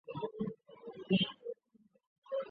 西番莲科为双子叶植物中的一科。